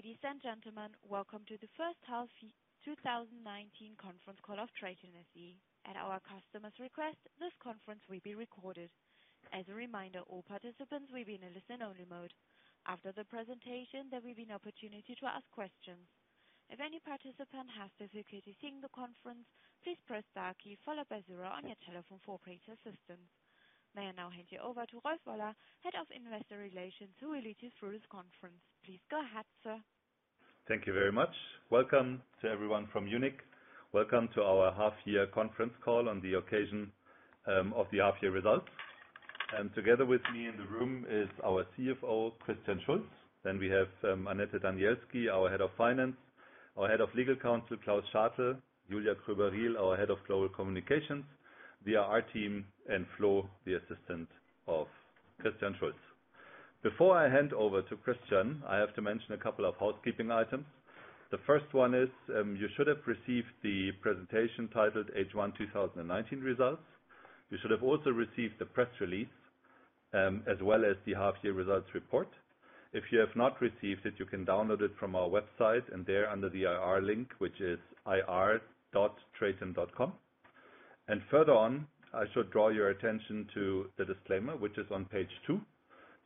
Ladies and gentlemen, welcome to the first half 2019 conference call of TRATON SE. At our customer's request, this conference will be recorded. As a reminder, all participants will be in a listen-only mode. After the presentation, there will be an opportunity to ask questions. If any participant has difficulty seeing the conference, please press star key followed by zero on your telephone four-digit system. May I now hand you over to Rolf Woller, Head of Investor Relations, who will lead you through this conference. Please go ahead, sir. Thank you very much. Welcome to everyone from Munich. Welcome to our half-year conference call on the occasion of the half-year results. Together with me in the room is our CFO, Christian Schulz. We have Annette Danielski, our Head of Finance, our Head of Legal Counsel, Klaus Schartel, Julia Kroeber-Riel, our Head of Global Communications, the IR team, and Flo, the assistant of Christian Schulz. Before I hand over to Christian, I have to mention a couple of housekeeping items. The first one is, you should have received the presentation titled H1 2019 Results. You should have also received the press release, as well as the half year results report. If you have not received it, you can download it from our website and there under the IR link, which is ir.traton.com. Further on, I should draw your attention to the disclaimer, which is on page two.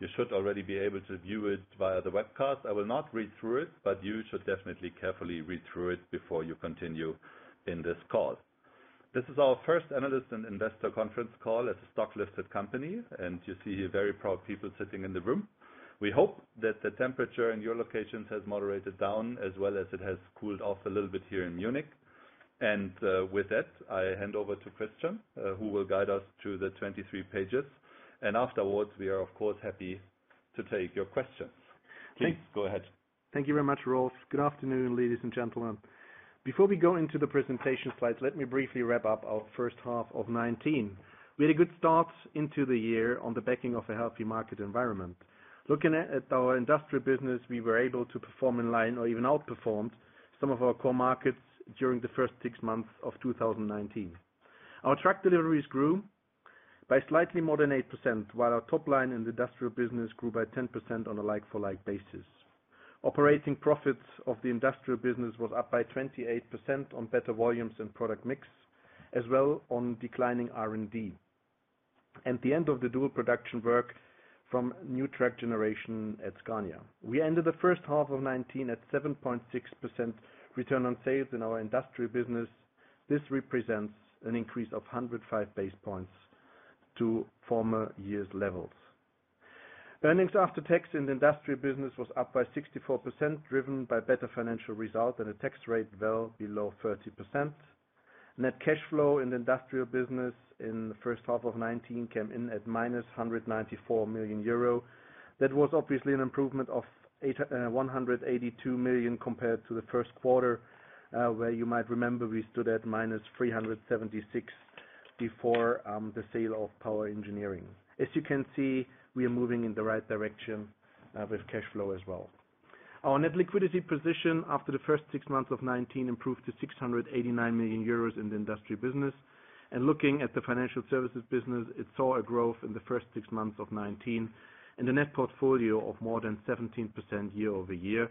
You should already be able to view it via the webcast. I will not read through it, but you should definitely carefully read through it before you continue in this call. This is our first analyst and investor conference call as a stock-listed company, and you see here very proud people sitting in the room. We hope that the temperature in your locations has moderated down as well as it has cooled off a little bit here in Munich. With that, I hand over to Christian, who will guide us through the 23 pages. Afterwards, we are of course, happy to take your questions. Please go ahead. Thank you very much, Rolf. Good afternoon, ladies and gentlemen. Before we go into the presentation slides, let me briefly wrap up our first half of 2019. We had a good start into the year on the backing of a healthy market environment. Looking at our industrial business, we were able to perform in line or even outperformed some of our core markets during the first six months of 2019. Our truck deliveries grew by slightly more than 8%, while our top line in the industrial business grew by 10% on a like-for-like basis. Operating profits of the industrial business was up by 28% on better volumes and product mix, as well on declining R&D, and the end of the dual production work from new truck generation at Scania. We ended the first half of 2019 at 7.6% return on sales in our industrial business. This represents an increase of 105 base points to former years' levels. Earnings after tax in the industrial business was up by 64%, driven by better financial results and a tax rate well below 30%. Net cash flow in the industrial business in the first half of 2019 came in at minus 194 million euro. That was obviously an improvement of 182 million compared to the first quarter, where you might remember we stood at minus 376 before the sale of Power Engineering. As you can see, we are moving in the right direction with cash flow as well. Our net liquidity position after the first six months of 2019 improved to 689 million euros in the industrial business. Looking at the financial services business, it saw a growth in the first six months of 2019 in the net portfolio of more than 17% year-over-year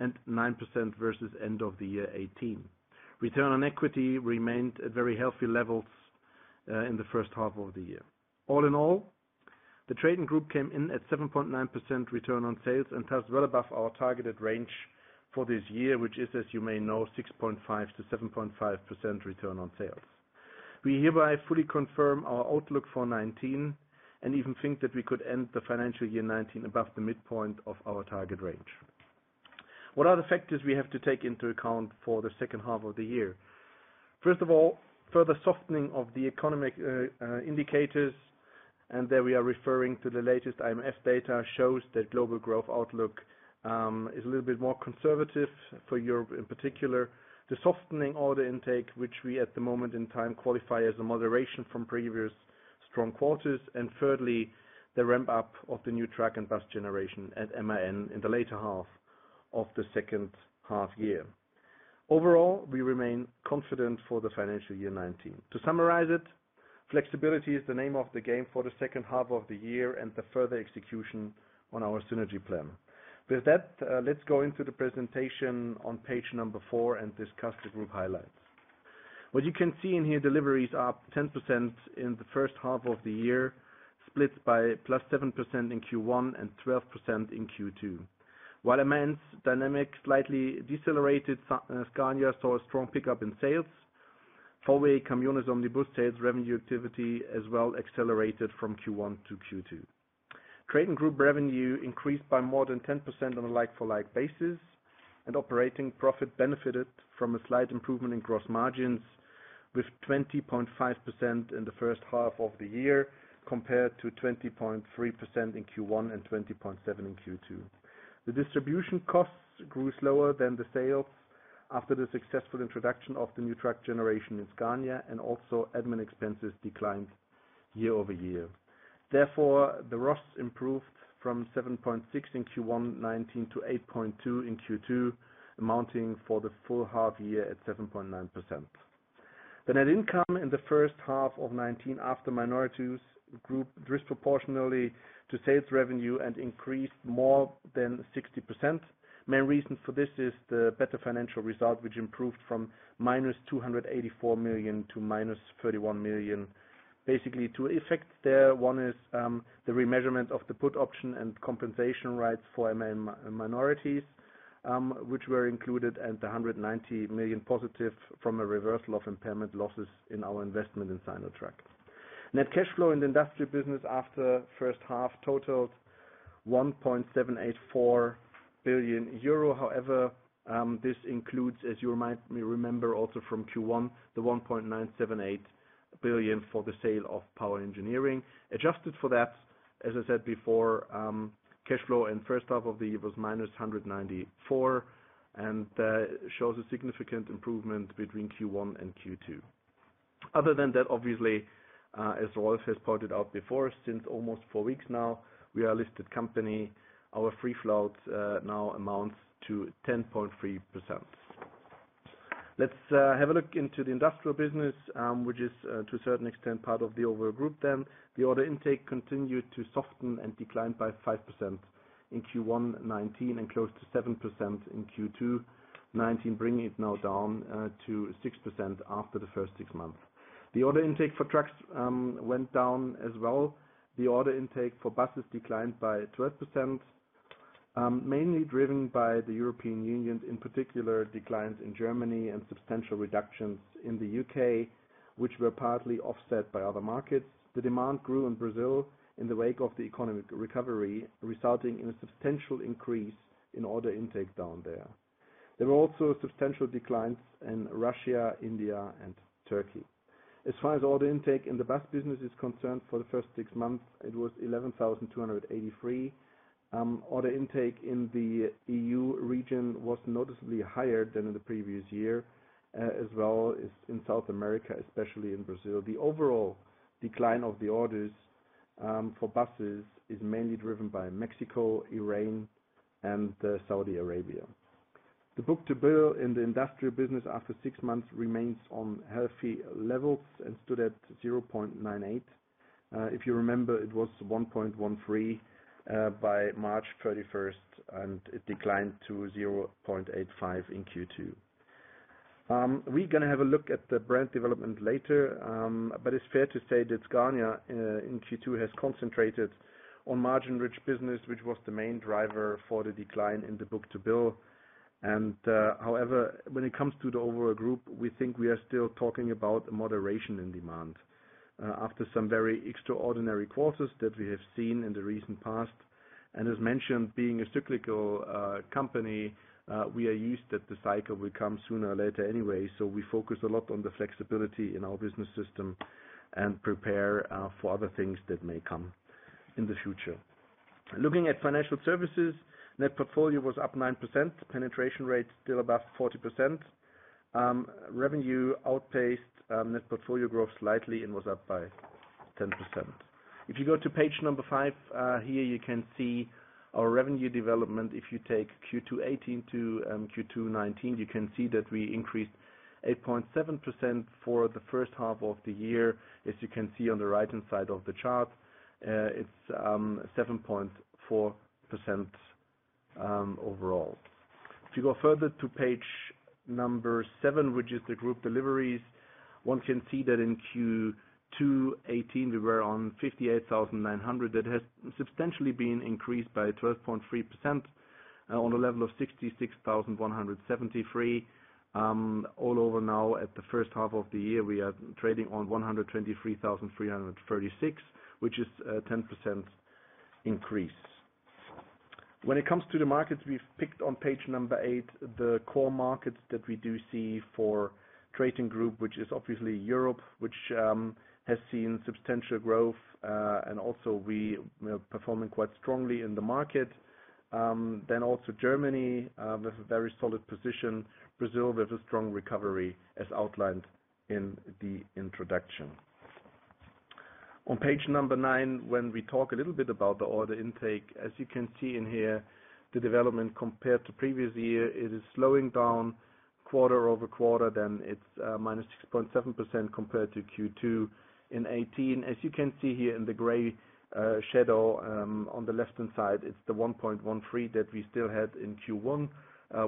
and 9% versus end of the year 2018. Return on equity remained at very healthy levels in the first half of the year. All in all, the TRATON Group came in at 7.9% Return on Sales and thus well above our targeted range for this year, which is, as you may know, 6.5%-7.5% Return on Sales. We hereby fully confirm our outlook for 2019 and even think that we could end the financial year 2019 above the midpoint of our target range. What are the factors we have to take into account for the second half of the year? First of all, further softening of the economic indicators, and there we are referring to the latest IMF data, shows that global growth outlook is a little bit more conservative for Europe in particular. The softening order intake, which we at the moment in time qualify as a moderation from previous strong quarters. Thirdly, the ramp-up of the new truck and bus generation at MAN in the later half of the second half year. Overall, we remain confident for the financial year 2019. To summarize it, flexibility is the name of the game for the second half of the year and the further execution on our synergy plan. With that, let's go into the presentation on page number four and discuss the group highlights. What you can see in here, deliveries are up 10% in the first half of the year, split by plus 7% in Q1 and 12% in Q2. While MAN's dynamic slightly decelerated, Scania saw a strong pickup in sales. Volkswagen Caminhões e Ônibus sales revenue activity as well accelerated from Q1 to Q2. TRATON Group revenue increased by more than 10% on a like-for-like basis, and operating profit benefited from a slight improvement in gross margins with 20.5% in the first half of the year, compared to 20.3% in Q1 and 20.7% in Q2. The distribution costs grew slower than the sales after the successful introduction of the new truck generation in Scania, and also admin expenses declined year-over-year. Therefore, the ROS improved from 7.6% in Q1 2019 to 8.2% in Q2, amounting for the full half year at 7.9%. The net income in the first half of 2019 after minorities grew disproportionally to sales revenue and increased more than 60%. Main reason for this is the better financial result, which improved from minus 284 million to minus 31 million. Basically, two effects there. One is the remeasurement of the put option and compensation rights for minorities, which were included, and the 190 million positive from a reversal of impairment losses in our investment in Sinotruk. Net cash flow in the industrial business after first half totaled 1.784 billion euro. However, this includes, as you might remember also from Q1, the 1.978 billion for the sale of Power Engineering. Adjusted for that, as I said before, cash flow in first half of the year was minus 194, and that shows a significant improvement between Q1 and Q2. Other than that, obviously, as Rolf has pointed out before, since almost four weeks now, we are a listed company. Our free float now amounts to 10.3%. Let's have a look into the industrial business, which is, to a certain extent, part of the overall group then. The order intake continued to soften and declined by 5% in Q1 2019 and close to 7% in Q2 2019, bringing it now down to 6% after the first six months. The order intake for trucks went down as well. The order intake for buses declined by 12%, mainly driven by the European Union, in particular declines in Germany and substantial reductions in the U.K., which were partly offset by other markets. The demand grew in Brazil in the wake of the economic recovery, resulting in a substantial increase in order intake down there. There were also substantial declines in Russia, India, and Turkey. As far as order intake in the bus business is concerned, for the first six months, it was 11,283. Order intake in the EU region was noticeably higher than in the previous year, as well as in South America, especially in Brazil. The overall decline of the orders for buses is mainly driven by Mexico, Iran, and Saudi Arabia. The book-to-bill in the industrial business after six months remains on healthy levels and stood at 0.98. If you remember, it was 1.13 by March 31st, and it declined to 0.85 in Q2. We're going to have a look at the brand development later, but it's fair to say that Scania in Q2 has concentrated on margin-rich business, which was the main driver for the decline in the book-to-bill. However, when it comes to the overall group, we think we are still talking about a moderation in demand after some very extraordinary quarters that we have seen in the recent past. As mentioned, being a cyclical company, we are used that the cycle will come sooner or later anyway. We focus a lot on the flexibility in our business system and prepare for other things that may come in the future. Looking at financial services, net portfolio was up 9%, penetration rate still above 40%. Revenue outpaced net portfolio growth slightly and was up by 10%. If you go to page number five, here you can see our revenue development. If you take Q2 2018 to Q2 2019, you can see that we increased 8.7% for the first half of the year. As you can see on the right-hand side of the chart, it's 7.4% overall. If you go further to page number seven, which is the group deliveries, one can see that in Q2 2018, we were on 58,900. That has substantially been increased by 12.3% on a level of 66,173. All over now at the first half of the year, we are trading on 123,336, which is a 10% increase. When it comes to the markets, we've picked on page number eight the core markets that we do see for TRATON Group, which is obviously Europe, which has seen substantial growth. Also we are performing quite strongly in the market. Also Germany with a very solid position. Brazil with a strong recovery, as outlined in the introduction. On page number nine, when we talk a little bit about the order intake, as you can see in here, the development compared to previous year, it is slowing down quarter-over-quarter. It is minus 6.7% compared to Q2 in 2018. As you can see here in the gray shadow on the left-hand side, it is the 1.13 that we still had in Q1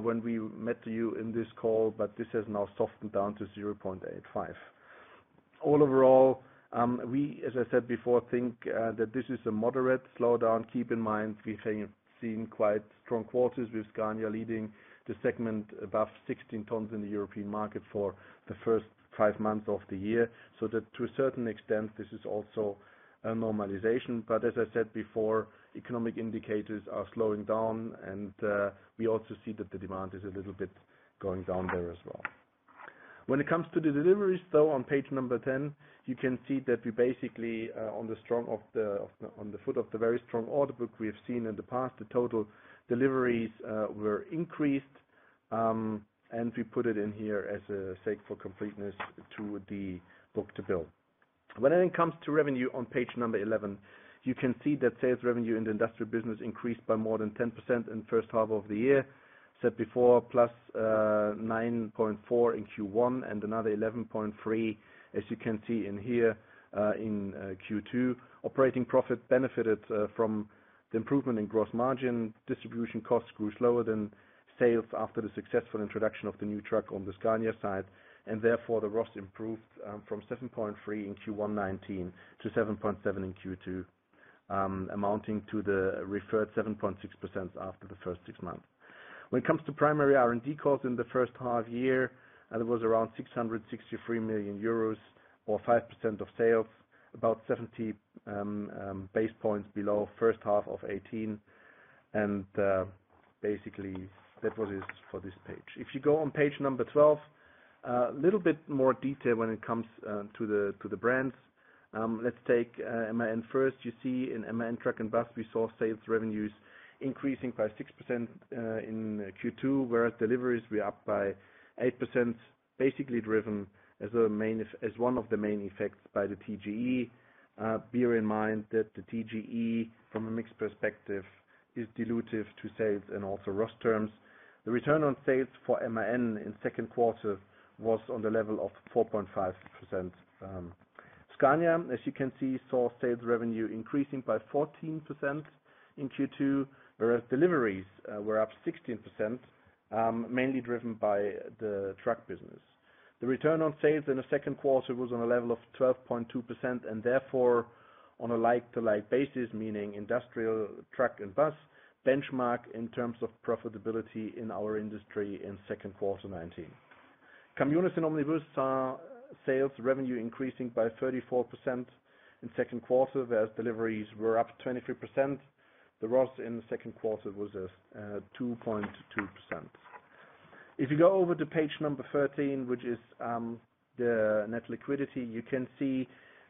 when we met you in this call, but this has now softened down to 0.85. All overall, we, as I said before, think that this is a moderate slowdown. Keep in mind, we have seen quite strong quarters with Scania leading the segment above 16 tons in the European market for the first five months of the year, so that to a certain extent, this is also a normalization. As I said before, economic indicators are slowing down, and we also see that the demand is a little bit going down there as well. When it comes to the deliveries, though, on page number 10, you can see that we basically on the foot of the very strong order book we have seen in the past, the total deliveries were increased, and we put it in here as a sake for completeness to the book-to-bill. When it comes to revenue on page number 11, you can see that sales revenue in the industrial business increased by more than 10% in the first half of the year, said before, plus 9.4 in Q1 and another 11.3, as you can see in here, in Q2. Operating profit benefited from the improvement in gross margin. Distribution costs grew slower than sales after the successful introduction of the new truck on the Scania side, therefore the ROS improved from 7.3 in Q1 2019 to 7.7 in Q2, amounting to the referred 7.6% after the first six months. When it comes to primary R&D costs in the first half year, that was around 663 million euros or 5% of sales, about 70 basis points below first half of 2018. Basically, that was it for this page. If you go on page number 12, a little bit more detail when it comes to the brands. Let's take MAN first. You see in MAN Truck & Bus, we saw sales revenues increasing by 6% in Q2, whereas deliveries were up by 8%, basically driven as one of the main effects by the TGE. Bear in mind that the TGE, from a mix perspective, is dilutive to sales and also ROS terms. The return on sales for MAN in the second quarter was on the level of 4.5%. Scania, as you can see, saw sales revenue increasing by 14% in Q2, whereas deliveries were up 16%, mainly driven by the truck business. The return on sales in the second quarter was on a level of 12.2%, and therefore on a like-to-like basis, meaning industrial truck and bus benchmark in terms of profitability in our industry in second quarter 2019. Volkswagen Caminhões e Ônibus saw sales revenue increasing by 34% in second quarter, whereas deliveries were up 23%. The ROS in the second quarter was at 2.2%. If you go over to page number 13, which is the net liquidity, you can see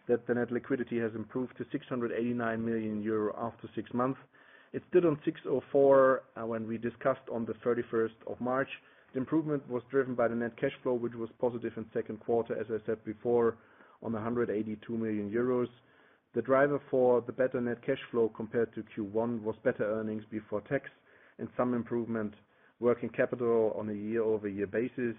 that the net liquidity has improved to 689 million euro after six months. It stood on 604 when we discussed on the 31st of March. The improvement was driven by the net cash flow, which was positive in the second quarter, as I said before, on 182 million euros. The driver for the better net cash flow compared to Q1 was better earnings before tax and some improvement working capital on a year-over-year basis.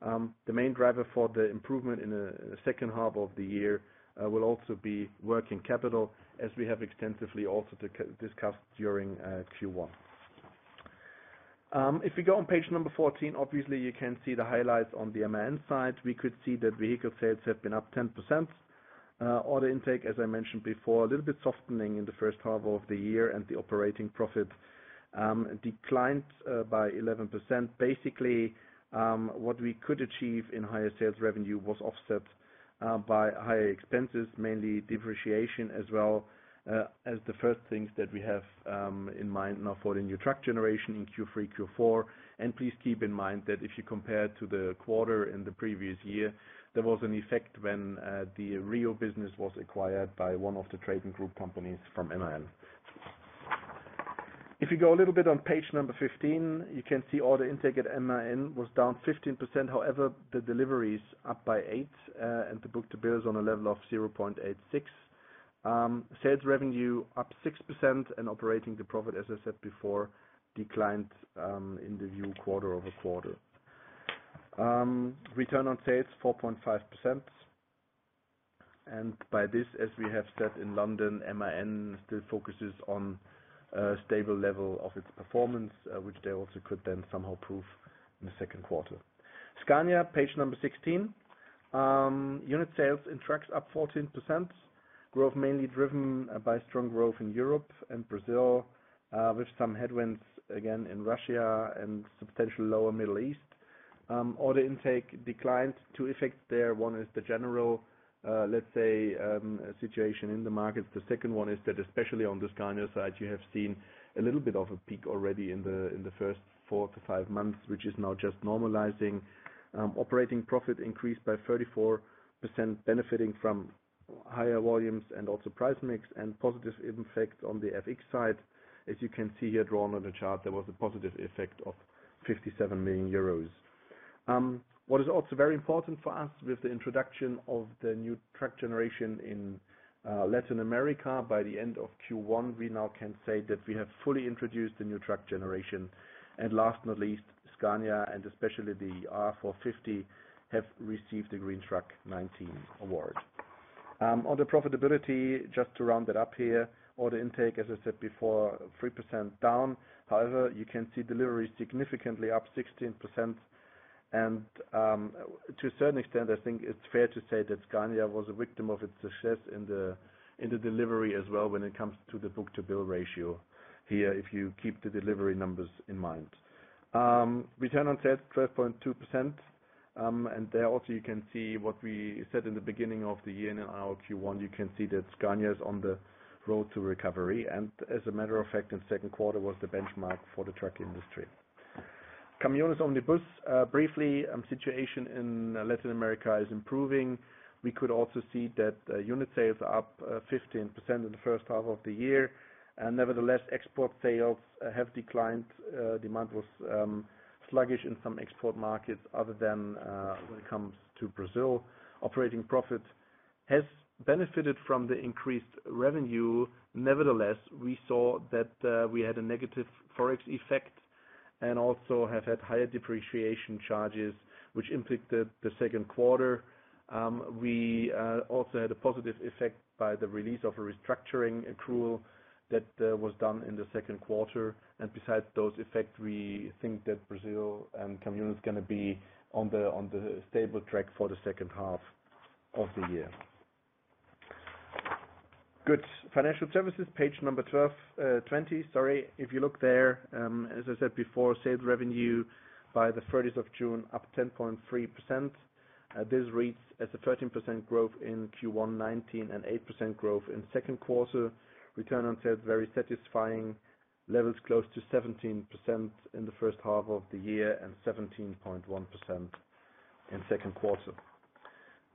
The main driver for the improvement in the second half of the year will also be working capital, as we have extensively also discussed during Q1. If we go on page number 14, obviously, you can see the highlights on the MAN side. We could see that vehicle sales have been up 10%. Order intake, as I mentioned before, a little bit softening in the first half of the year and the operating profit declined by 11%. Basically, what we could achieve in higher sales revenue was offset by higher expenses, mainly depreciation, as well as the first things that we have in mind now for the new truck generation in Q3, Q4. Please keep in mind that if you compare to the quarter in the previous year, there was an effect when the RIO business was acquired by one of the TRATON Group companies from MAN. If you go a little bit on page number 15, you can see order intake at MAN was down 15%. However, the delivery is up by 8%, and the book-to-bill is on a level of 0.86. Sales revenue up 6%, and operating profit, as I said before, declined in the view quarter-over-quarter. Return on sales 4.5%. By this, as we have said in London, MAN still focuses on a stable level of its performance, which they also could then somehow prove in the second quarter. Scania, page number 16. Unit sales in trucks up 14%, growth mainly driven by strong growth in Europe and Brazil, with some headwinds again in Russia and substantially lower Middle East. Order intake declined. Two effects there. One is the general, let's say, situation in the markets. The second one is that, especially on the Scania side, you have seen a little bit of a peak already in the first four to five months, which is now just normalizing. Operating profit increased by 34%, benefiting from higher volumes and also price mix and positive effect on the FX side. As you can see here, drawn on the chart, there was a positive effect of 57 million euros. What is also very important for us with the introduction of the new truck generation in Latin America, by the end of Q1, we now can say that we have fully introduced the new truck generation. Last not least, Scania, and especially the R 450, have received the Green Truck '19 award. On the profitability, just to round it up here, order intake, as I said before, 3% down. However, you can see delivery significantly up 16%. To a certain extent, I think it's fair to say that Scania was a victim of its success in the delivery as well when it comes to the book-to-bill ratio here, if you keep the delivery numbers in mind. Return on sales 12.2%, and there also you can see what we said in the beginning of the year in our Q1. You can see that Scania is on the road to recovery. As a matter of fact, in the second quarter was the benchmark for the truck industry. Caminhões e Ônibus, briefly, situation in Latin America is improving. We could also see that unit sales are up 15% in the first half of the year. Export sales have declined. Demand was sluggish in some export markets other than when it comes to Brazil. Operating profit has benefited from the increased revenue. We saw that we had a negative Forex effect and also have had higher depreciation charges, which impacted the second quarter. We also had a positive effect by the release of a restructuring accrual that was done in the second quarter. Besides those effects, we think that Brazil and VWCO is going to be on the stable track for the second half of the year. Good. Financial services, page number 12-20, sorry. If you look there, as I said before, sales revenue by the 30th of June up 10.3%. This reads as a 13% growth in Q1 2019 and 8% growth in second quarter. Return on sales very satisfying, levels close to 17% in the first half of the year and 17.1% in second quarter.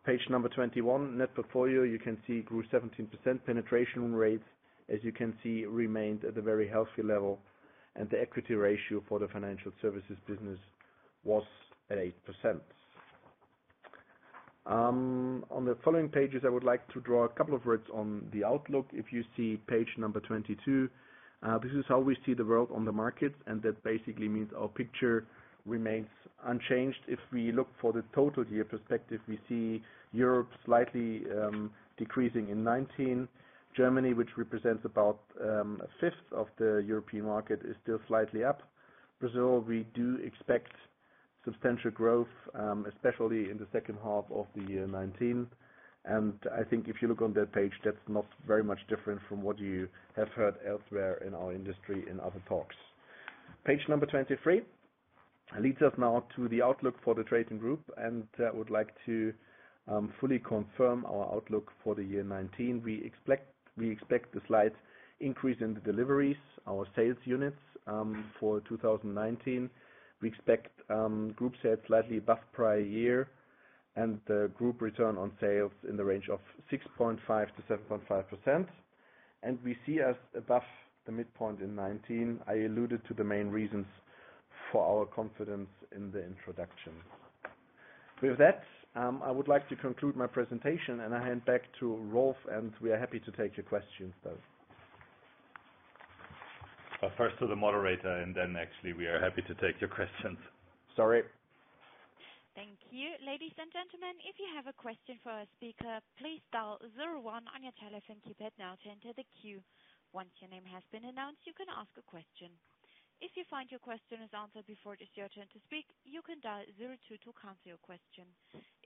Page number 21, net portfolio, you can see grew 17% penetration rates, as you can see, remained at a very healthy level, and the equity ratio for the financial services business was at 8%. On the following pages, I would like to draw a couple of words on the outlook. If you see page number 22, this is how we see the world on the markets, that basically means our picture remains unchanged. If we look for the total year perspective, we see Europe slightly decreasing in 2019. Germany, which represents about a fifth of the European market, is still slightly up. Brazil, we do expect substantial growth, especially in the second half of 2019. I think if you look on that page, that is not very much different from what you have heard elsewhere in our industry in other talks. Page number 23 leads us now to the outlook for the TRATON Group, and I would like to fully confirm our outlook for the year 2019. We expect a slight increase in the deliveries, our sales units for 2019. We expect Group sales slightly above prior year and the Group Return on Sales in the range of 6.5%-7.5%, and we see us above the midpoint in 2019. I alluded to the main reasons for our confidence in the introduction. With that, I would like to conclude my presentation, and I hand back to Rolf, and we are happy to take your questions then. First to the moderator, and then actually we are happy to take your questions. Sorry. Thank you. Ladies and gentlemen, if you have a question for a speaker, please dial zero one on your telephone keypad now to enter the queue. Once your name has been announced, you can ask a question. If you find your question is answered before it is your turn to speak, you can dial zero two to cancel your question.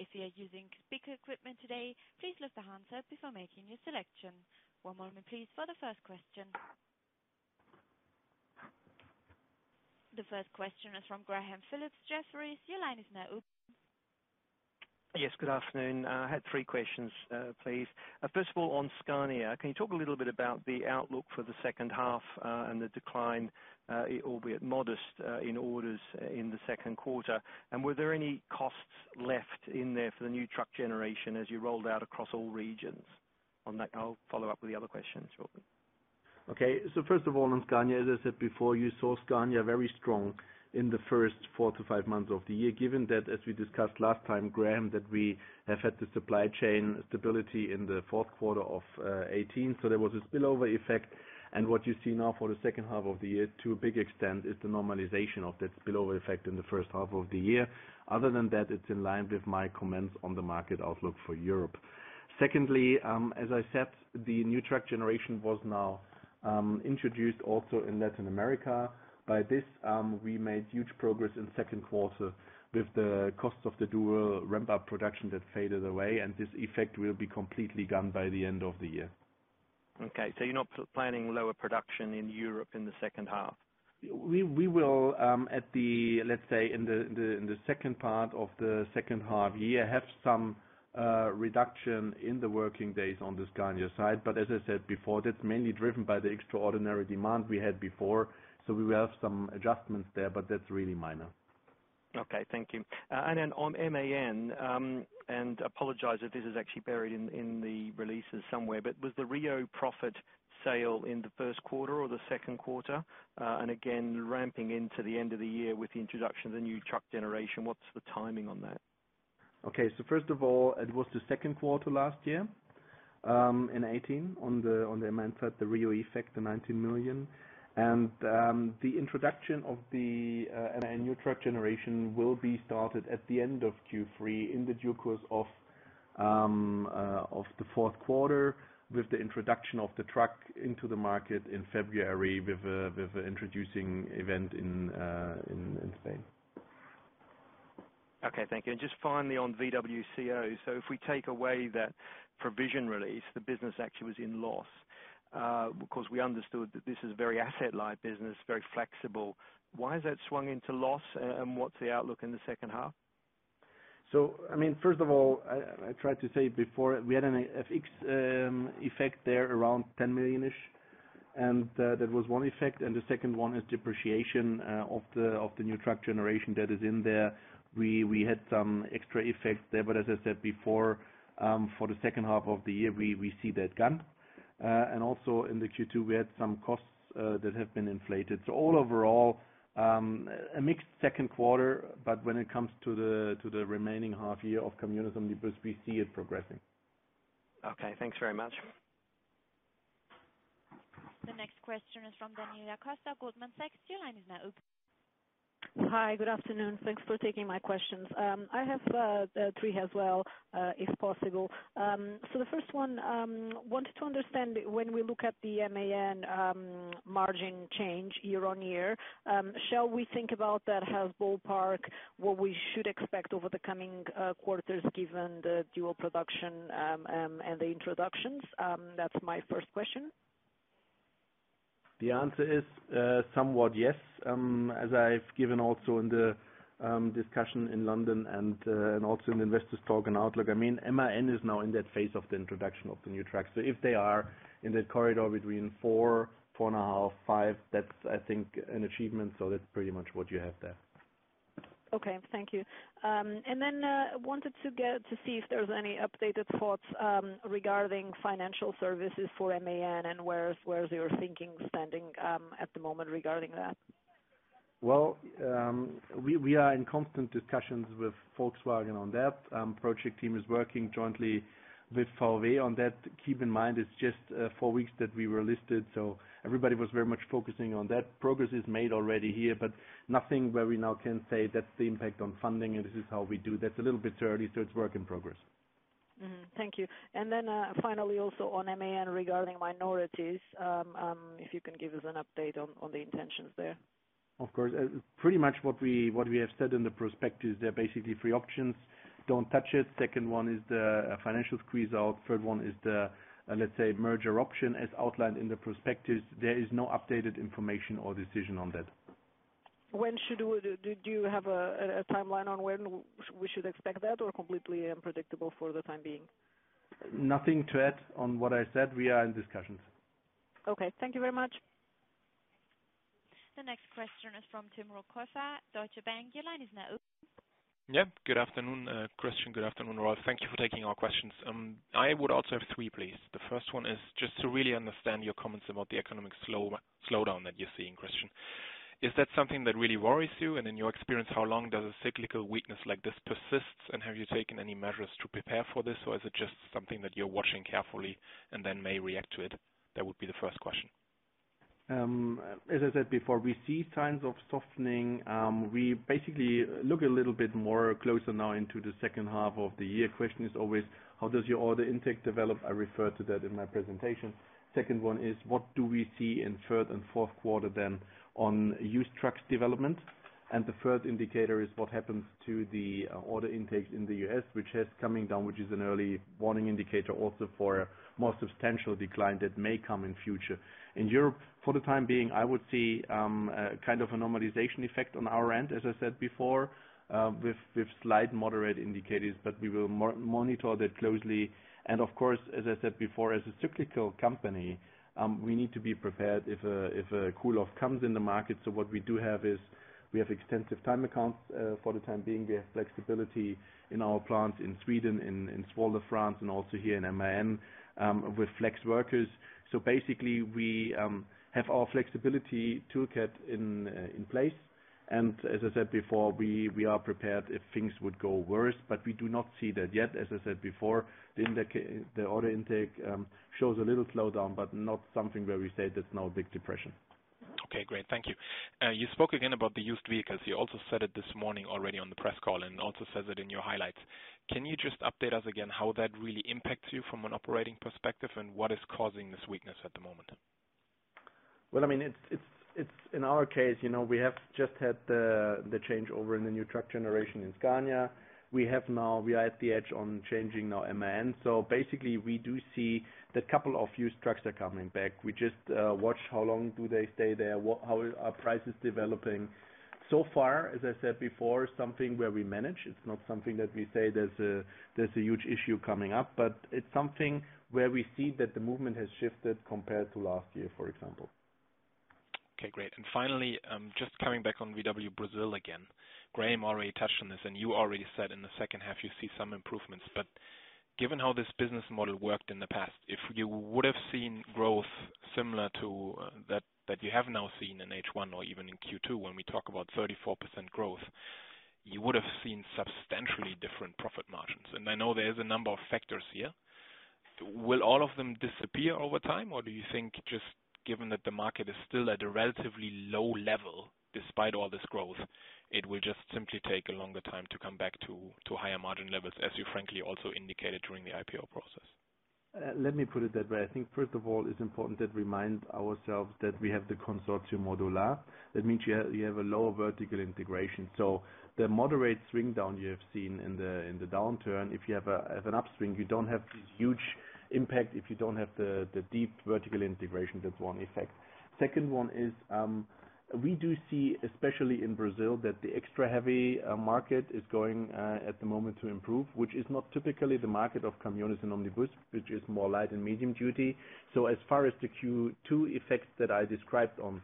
If you are using speaker equipment today, please lift the handset before making your selection. One moment please for the first question. The first question is from Graham Phillips, Jefferies. Your line is now open. Yes, good afternoon. I had three questions, please. First of all, on Scania, can you talk a little bit about the outlook for the second half and the decline, albeit modest in orders in the second quarter? Were there any costs left in there for the new truck generation as you rolled out across all regions? On that, I'll follow up with the other questions shortly. Okay. First of all, on Scania, as I said before, you saw Scania very strong in the first four to five months of the year, given that, as we discussed last time, Graham, that we have had the supply chain stability in the fourth quarter of 2018. There was a spillover effect, and what you see now for the second half of the year, to a big extent, is the normalization of that spillover effect in the first half of the year. Other than that, it's in line with my comments on the market outlook for Europe. Secondly, as I said, the new truck generation was now introduced also in Latin America. By this, we made huge progress in the second quarter with the cost of the dual ramp-up production that faded away, and this effect will be completely gone by the end of the year. Okay, you're not planning lower production in Europe in the second half? We will, let's say in the second part of the second half year, have some reduction in the working days on the Scania side. As I said before, that's mainly driven by the extraordinary demand we had before. We will have some adjustments there, but that's really minor. Okay, thank you. On MAN, I apologize if this is actually buried in the releases somewhere, was the RIO profit sale in the first quarter or the second quarter? Ramping into the end of the year with the introduction of the new truck generation, what's the timing on that? Okay, first of all, it was the second quarter last year, in 2018, on the MAN side, the RIO effect, the 19 million. The introduction of the MAN new truck generation will be started at the end of Q3 in the due course of the fourth quarter with the introduction of the truck into the market in February with an introducing event in Spain. Okay, thank you. Just finally on VWCO. If we take away that provision release, the business actually was in loss. We understood that this is a very asset-light business, very flexible. Why has that swung into loss? What's the outlook in the second half? First of all, I tried to say before, we had an FX effect there around 10 million-ish, and that was one effect, and the second one is depreciation of the new truck generation that is in there. We had some extra effects there, but as I said before, for the second half of the year, we see that gone. Also in the Q2, we had some costs that have been inflated. All overall, a mixed second quarter, but when it comes to the remaining half year of Volkswagen Caminhões e Ônibus, we see it progressing. Okay, thanks very much. The next question is from Daniela Costa, Goldman Sachs, your line is now open. Hi. Good afternoon. Thanks for taking my questions. I have three as well, if possible. The first one, wanted to understand when we look at the MAN margin change year-on-year, shall we think about that as ballpark, what we should expect over the coming quarters, given the dual production, and the introductions? That's my first question. The answer is, somewhat yes, as I've given also in the discussion in London and also in the investors talk and outlook. I mean, MAN is now in that phase of the introduction of the new truck. If they are in that corridor between four and a half, five, that's, I think, an achievement. That's pretty much what you have there. Okay. Thank you. Wanted to see if there's any updated thoughts regarding financial services for MAN and where's your thinking standing at the moment regarding that? Well, we are in constant discussions with Volkswagen on that. Project team is working jointly with VW on that. Keep in mind, it's just four weeks that we were listed. Everybody was very much focusing on that. Progress is made already here. Nothing where we now can say that's the impact on funding and this is how we do. That's a little bit early. It's work in progress. Thank you. Then, finally, also on MAN regarding minorities, if you can give us an update on the intentions there. Of course. Pretty much what we have said in the prospectus, there are basically three options. Don't touch it. Second one is the financial squeeze out. Third one is the, let's say, merger option. As outlined in the prospectus, there is no updated information or decision on that. Do you have a timeline on when we should expect that or completely unpredictable for the time being? Nothing to add on what I said. We are in discussions. Okay. Thank you very much. The next question is from Tim Rokossa, Deutsche Bank. Your line is now open. Yeah. Good afternoon, Christian. Good afternoon, Rolf. Thank you for taking our questions. I would also have three, please. The first one is just to really understand your comments about the economic slowdown that you see in question. Is that something that really worries you? In your experience, how long does a cyclical weakness like this persist, and have you taken any measures to prepare for this, or is it just something that you're watching carefully and then may react to it? That would be the first question. As I said before, we see signs of softening. We basically look a little bit more closer now into the second half of the year. Question is always how does your order intake develop? I referred to that in my presentation. Second one is, what do we see in third and fourth quarter then on used trucks development? The third indicator is what happens to the order intake in the U.S., which is coming down, which is an early warning indicator also for more substantial decline that may come in future. In Europe, for the time being, I would see a kind of a normalization effect on our end, as I said before, with slight moderate indicators, but we will monitor that closely. Of course, as I said before, as a cyclical company, we need to be prepared if a cool-off comes in the market. What we do have is we have extensive time accounts for the time being. We have flexibility in our plants in Sweden, in Södertälje, France and also here in MAN, with flex workers. Basically, we have our flexibility toolkit in place and as I said before, we are prepared if things would go worse, but we do not see that yet. As I said before, the order intake shows a little slowdown, but not something where we say there's now a big depression. Okay, great. Thank you. You spoke again about the used vehicles. You also said it this morning already on the press call and also says it in your highlights. Can you just update us again how that really impacts you from an operating perspective and what is causing this weakness at the moment? Well, I mean, in our case, we have just had the changeover in the new truck generation in Scania. We are at the edge on changing now MAN. Basically, we do see that couple of used trucks are coming back. We just watch how long do they stay there, how are prices developing. Far, as I said before, something where we manage. It's not something that we say there's a huge issue coming up, but it's something where we see that the movement has shifted compared to last year, for example. Okay, great. Finally, just coming back on VW Brazil again. Graham already touched on this. You already said in the second half you see some improvements. Given how this business model worked in the past, if you would have seen growth similar to that you have now seen in H1 or even in Q2, when we talk about 34% growth, you would have seen substantially different profit margins. I know there is a number of factors here. Will all of them disappear over time, or do you think just given that the market is still at a relatively low level despite all this growth, it will just simply take a longer time to come back to higher margin levels, as you frankly also indicated during the IPO process? Let me put it that way. I think first of all, it's important that remind ourselves that we have the Consórcio Modular. That means you have a lower vertical integration. The moderate swing down you have seen in the downturn, if you have an upswing, you don't have this huge impact if you don't have the deep vertical integration. That's one effect. Second one is, we do see, especially in Brazil, that the extra heavy market is going at the moment to improve, which is not typically the market of Caminhões e Ônibus, which is more light and medium duty. As far as the Q2 effects that I described on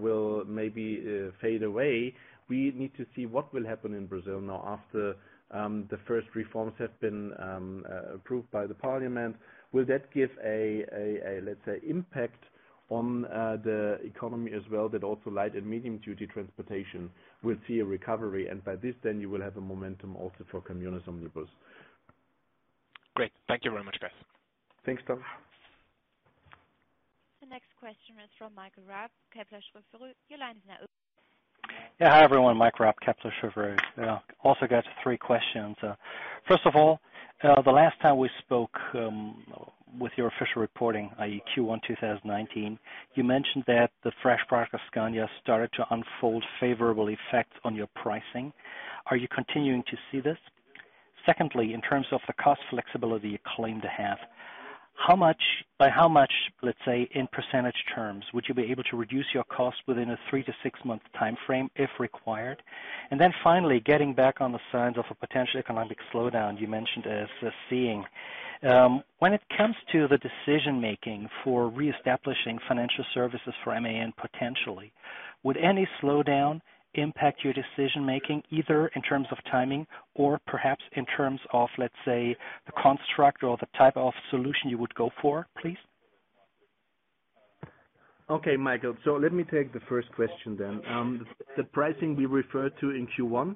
will maybe fade away, we need to see what will happen in Brazil now after the first reforms have been approved by the parliament. Will that give a, let's say, impact on the economy as well that also light and medium-duty transportation will see a recovery, and by this then you will have a momentum also for Caminhões e Ônibus. Great. Thank you very much, guys. Thanks, Tim. The next question is from Michael Raab, Kepler Cheuvreux. Your line is now open. Yeah. Hi, everyone. Michael Raab, Kepler Cheuvreux. Also got three questions. First of all, the last time we spoke with your official reporting, i.e. Q1 2019, you mentioned that the fresh price of Scania started to unfold favorable effects on your pricing. Are you continuing to see this? Secondly, in terms of the cost flexibility you claim to have, by how much, let's say, in percentage terms, would you be able to reduce your cost within a three to six-month timeframe if required? Finally, getting back on the signs of a potential economic slowdown you mentioned seeing. When it comes to the decision-making for reestablishing financial services for MAN potentially, would any slowdown impact your decision-making, either in terms of timing or perhaps in terms of, let's say, the construct or the type of solution you would go for, please? Okay, Michael. Let me take the first question. The pricing we referred to in Q1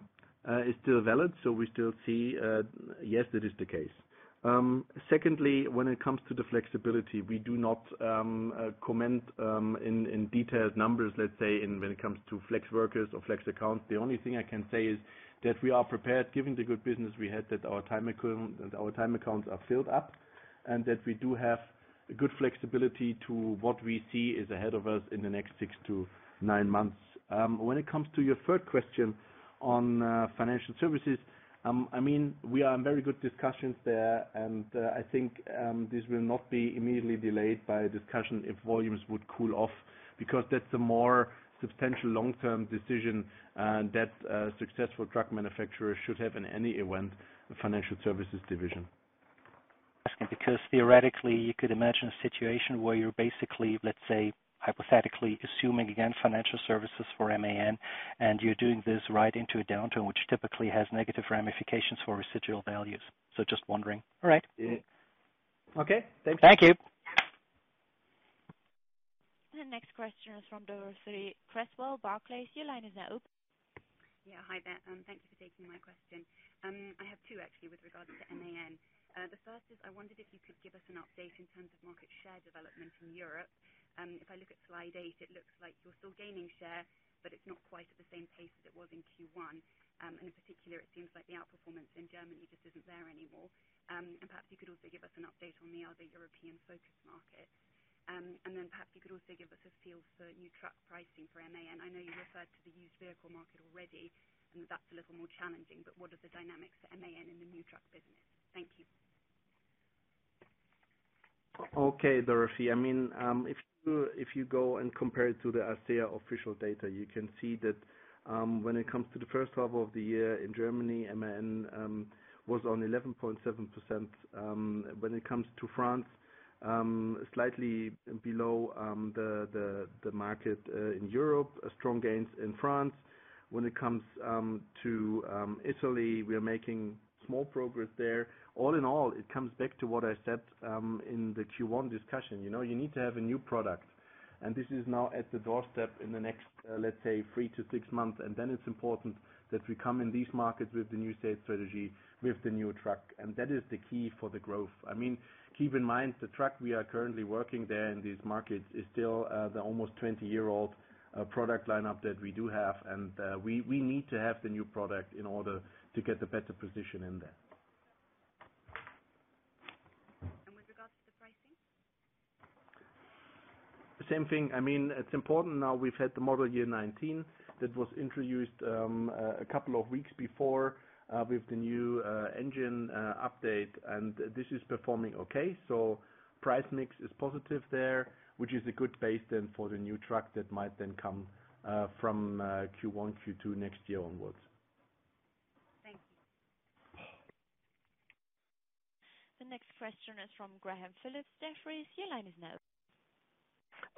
is still valid. We still see, yes, that is the case. Secondly, when it comes to the flexibility, we do not comment in detailed numbers, let's say, when it comes to flex workers or flex accounts. The only thing I can say is that we are prepared, given the good business we had, that our time accounts are filled up, and that we do have good flexibility to what we see is ahead of us in the next six to nine months. When it comes to your third question on financial services, we are in very good discussions there, and I think this will not be immediately delayed by a discussion if volumes would cool off, because that's a more substantial long-term decision that a successful truck manufacturer should have in any event, a financial services division. Theoretically, you could imagine a situation where you're basically, let's say, hypothetically assuming, again, financial services for MAN, and you're doing this right into a downturn, which typically has negative ramifications for residual values. Just wondering. All right. Okay. Thanks. Thank you. The next question is from Dorothy Creswell, Barclays. Your line is now open. Yeah. Hi there. Thank you for taking my question. I have two, actually, with regards to MAN. The first is I wondered if you could give us an update in terms of market share development in Europe. If I look at slide eight, it looks like you're still gaining share, but it's not quite at the same pace that it was in Q1. In particular, it seems like the outperformance in Germany just isn't there anymore. Perhaps you could also give us an update on the other European focus markets. Perhaps you could also give us a feel for new truck pricing for MAN. I know you referred to the used vehicle market already, and that that's a little more challenging, but what are the dynamics for MAN in the new truck business? Thank you. Okay, Dorothy. If you go and compare it to the ACEA official data, you can see that when it comes to the first half of the year in Germany, MAN was on 11.7%. When it comes to France, slightly below the market in Europe, strong gains in France. When it comes to Italy, we are making small progress there. All in all, it comes back to what I said in the Q1 discussion. You need to have a new product, and this is now at the doorstep in the next, let's say, three to six months, and then it's important that we come in these markets with the new state strategy, with the new truck. That is the key for the growth. Keep in mind, the truck we are currently working there in these markets is still the almost 20-year-old product lineup that we do have, and we need to have the new product in order to get a better position in there. With regards to the pricing? Same thing. It's important now we've had the model year 19 that was introduced a couple of weeks before with the new engine update. This is performing okay. Price mix is positive there, which is a good base then for the new truck that might then come from Q1, Q2 next year onwards. Thank you. The next question is from Graham Phillips, Jefferies. Your line is now open.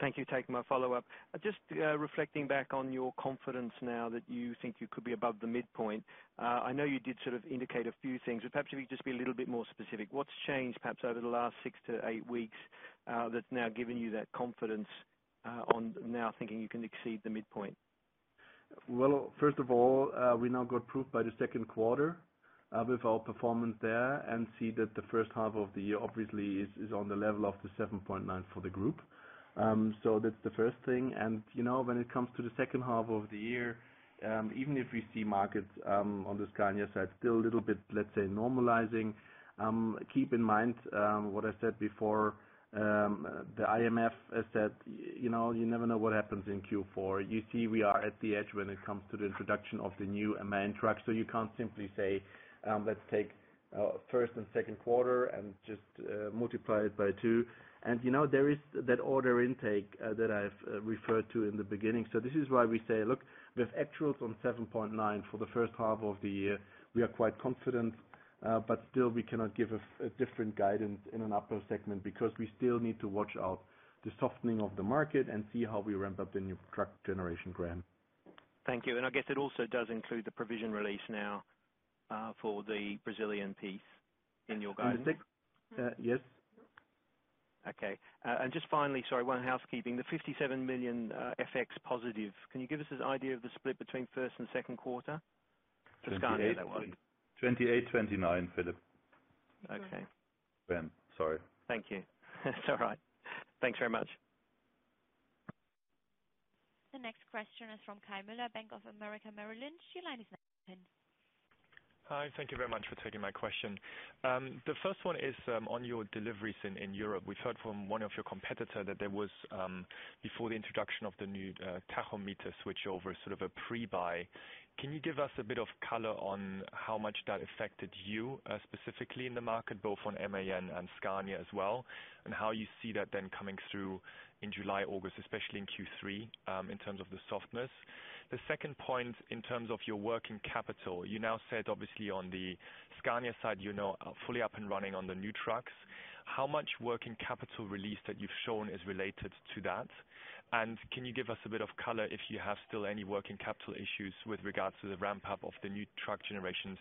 Thank you, taking my follow-up. Just reflecting back on your confidence now that you think you could be above the midpoint. I know you did indicate a few things, but perhaps if you could just be a little bit more specific. What has changed perhaps over the last six to eight weeks that has now given you that confidence on now thinking you can exceed the midpoint? Well, first of all, we now got proof by the second quarter with our performance there and see that the first half of the year obviously is on the level of the 7.9 for the Group. When it comes to the second half of the year, even if we see markets on the Scania side still a little bit, let's say, normalizing, keep in mind what I said before, the IMF has said you never know what happens in Q4. You see we are at the edge when it comes to the introduction of the new MAN truck, so you can't simply say, let's take first and second quarter and just multiply it by two. There is that order intake that I've referred to in the beginning. This is why we say, look, with actuals on 7.9% for the first half of the year, we are quite confident, but still we cannot give a different guidance in an upper segment because we still need to watch out the softening of the market and see how we ramp up the new truck generation, Graham. Thank you. I guess it also does include the provision release now for the Brazilian piece in your guidance? Yes. Okay. Just finally, sorry, one housekeeping. The 57 million FX positive, can you give us an idea of the split between first and second quarter? For Scania, that one. 28, 29, Philip. Okay. Ben, sorry. Thank you. It's all right. Thanks very much. The next question is from Kai Müller, Bank of America, Merrill Lynch. Your line is now open. Hi, thank you very much for taking my question. The first one is on your deliveries in Europe. We've heard from one of your competitor that there was, before the introduction of the new tachograph switchover, sort of a pre-buy. Can you give us a bit of color on how much that affected you specifically in the market, both on MAN and Scania as well, and how you see that then coming through in July, August, especially in Q3, in terms of the softness? The second point, in terms of your working capital. You now said, obviously on the Scania side you're now fully up and running on the new trucks. How much working capital release that you've shown is related to that? Can you give us a bit of color if you have still any working capital issues with regards to the ramp-up of the new truck generations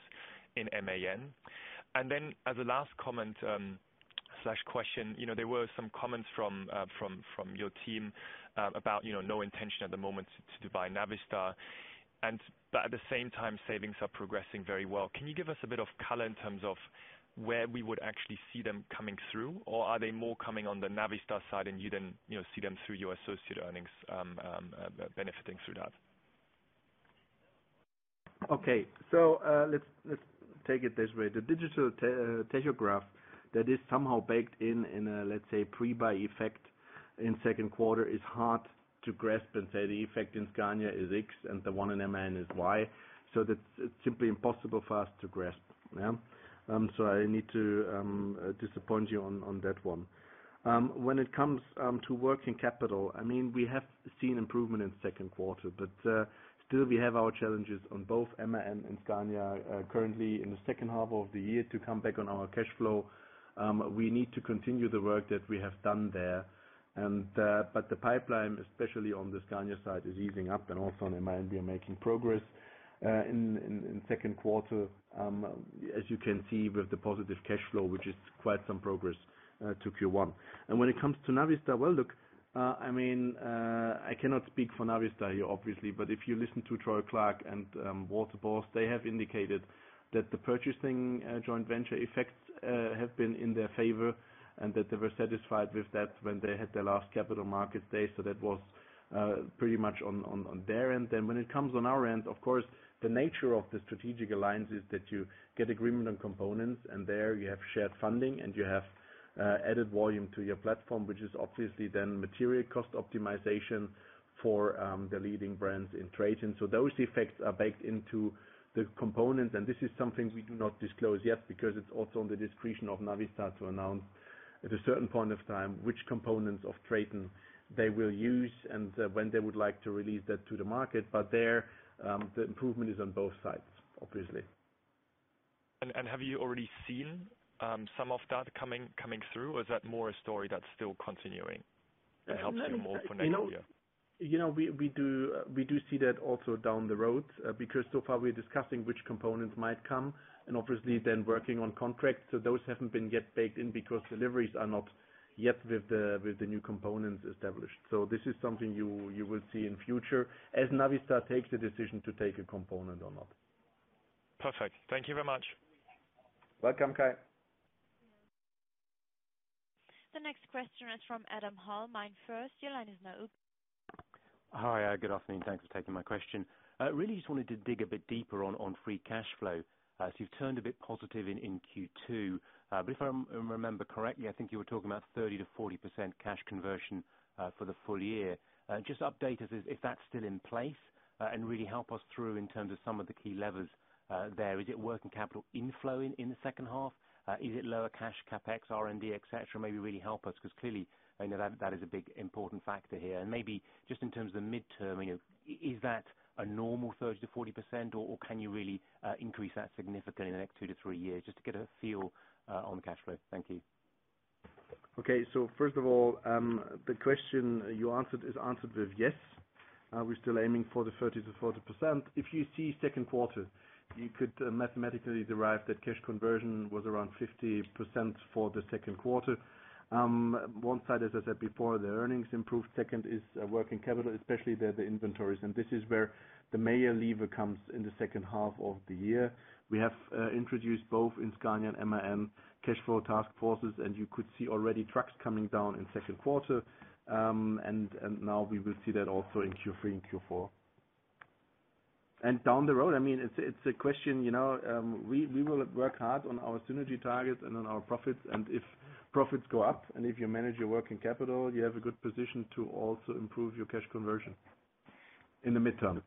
in MAN? As a last comment/question, there were some comments from your team about no intention at the moment to buy Navistar, but at the same time, savings are progressing very well. Can you give us a bit of color in terms of where we would actually see them coming through? Are they more coming on the Navistar side and you then see them through your associate earnings, benefiting through that? Okay. Let's take it this way. The digital tachograph that is somehow baked in in a, let's say, pre-buy effect in second quarter is hard to grasp and say the effect in Scania is X and the one in MAN is Y. That's simply impossible for us to grasp. I need to disappoint you on that one. When it comes to working capital, we have seen improvement in second quarter. Still, we have our challenges on both MAN and Scania currently in the second half of the year to come back on our cash flow. We need to continue the work that we have done there. The pipeline, especially on the Scania side, is easing up, also on MAN we are making progress in second quarter, as you can see with the positive cash flow, which is quite some progress to Q1. When it comes to Navistar, well, look, I cannot speak for Navistar here obviously, but if you listen to Troy Clarke and Walter Borst, they have indicated that the purchasing joint venture effects have been in their favor and that they were satisfied with that when they had their last capital markets day. That was pretty much on their end. When it comes on our end, of course, the nature of the strategic alliance is that you get agreement on components, and there you have shared funding, and you have added volume to your platform, which is obviously then material cost optimization for the leading brands in TRATON. Those effects are baked into the components. This is something we do not disclose yet, because it is also on the discretion of Navistar to announce at a certain point of time which components of TRATON they will use and when they would like to release that to the market. There, the improvement is on both sides, obviously. Have you already seen some of that coming through, or is that more a story that's still continuing? That helps me more for next year. We do see that also down the road. Because so far we're discussing which components might come, and obviously then working on contracts. Those haven't been yet baked in because deliveries are not yet with the new components established. This is something you will see in future as Navistar takes the decision to take a component or not. Perfect. Thank you very much. Welcome, Kai. The next question is from Adam Hall, Mindfirst. Your line is now open. Hi, good afternoon. Thanks for taking my question. Really just wanted to dig a bit deeper on free cash flow. You've turned a bit positive in Q2. If I remember correctly, I think you were talking about 30%-40% cash conversion for the full year. Just update us if that's still in place and really help us through in terms of some of the key levers there. Is it working capital inflow in the second half? Is it lower cash CapEx, R&D, et cetera? Maybe really help us, because clearly, I know that is a big important factor here. Maybe just in terms of the midterm, is that a normal 30%-40%, or can you really increase that significantly in the next 2-3 years? Just to get a feel on cash flow. Thank you. First of all, the question is answered with yes. We are still aiming for the 30%-40%. If you see second quarter, you could mathematically derive that cash conversion was around 50% for the second quarter. One side, as I said before, the earnings improved. Second is working capital, especially the inventories, and this is where the MAN lever comes in the second half of the year. We have introduced both in Scania and MAN cash flow task forces, and you could see already trucks coming down in second quarter. Now we will see that also in Q3 and Q4. Down the road, it is a question. We will work hard on our synergy targets and on our profits, and if profits go up and if you manage your working capital, you have a good position to also improve your cash conversion in the midterm.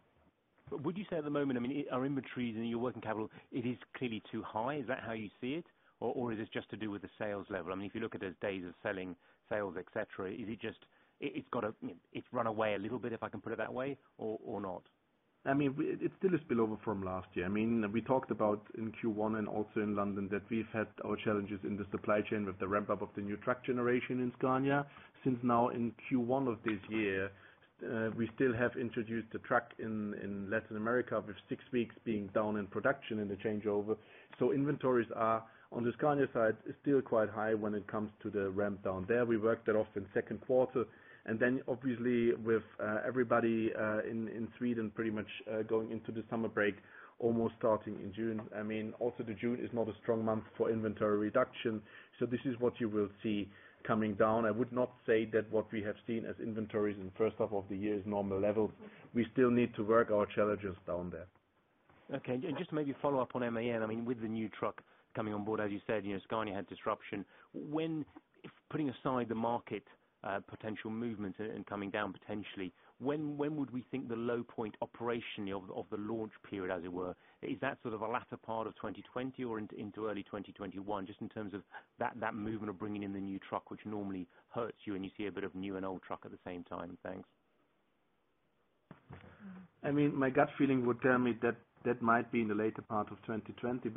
Would you say at the moment, our inventories and your working capital, it is clearly too high? Is that how you see it? Is this just to do with the sales level? If you look at those days of selling, sales, et cetera, it's run away a little bit, if I can put it that way, or not? It still is spillover from last year. We talked about in Q1 and also in London that we've had our challenges in the supply chain with the ramp-up of the new truck generation in Scania. Since now in Q1 of this year, we still have introduced the truck in Latin America, with six weeks being down in production in the changeover. Inventories are, on the Scania side, still quite high when it comes to the ramp down there. We worked that off in the second quarter. Obviously with everybody in Sweden pretty much going into the summer break, almost starting in June. June is not a strong month for inventory reduction. This is what you will see coming down. I would not say that what we have seen as inventories in the first half of the year is normal levels. We still need to work our challenges down there. Okay. Just maybe follow up on MAN. With the new truck coming on board, as you said, Scania had disruption. When, putting aside the market potential movement and coming down potentially, when would we think the low point operationally of the launch period, as it were? Is that sort of a latter part of 2020 or into early 2021, just in terms of that movement of bringing in the new truck, which normally hurts you and you see a bit of new and old truck at the same time? Thanks. My gut feeling would tell me that might be in the later part of 2020.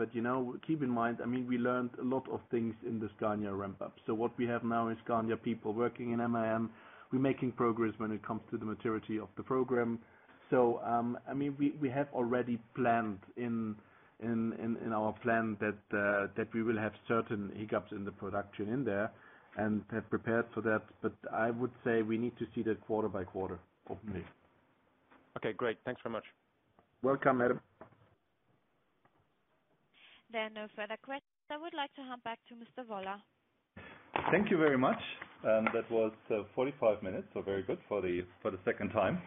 Keep in mind, we learned a lot of things in the Scania ramp-up. What we have now in Scania, people working in MAN, we're making progress when it comes to the maturity of the program. We have already planned in our plan that we will have certain hiccups in the production in there and have prepared for that. I would say we need to see that quarter by quarter, openly. Okay, great. Thanks very much. Welcome, Adam. There are no further questions. I would like to hand back to Mr. Woller. Thank you very much. That was 45 minutes, so very good for the second time.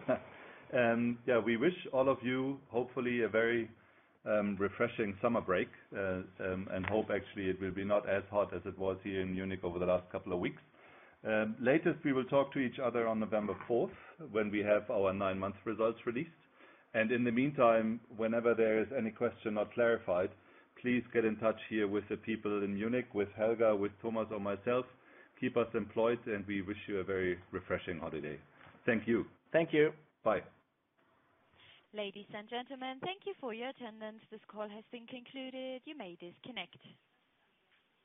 We wish all of you hopefully a very refreshing summer break, and hope actually it will be not as hot as it was here in Munich over the last couple of weeks. Latest we will talk to each other on November 4th, when we have our nine-month results released. In the meantime, whenever there is any question not clarified, please get in touch here with the people in Munich, with Helga, with Thomas or myself. Keep us employed, and we wish you a very refreshing holiday. Thank you. Thank you. Bye. Ladies and gentlemen, thank you for your attendance. This call has been concluded. You may disconnect.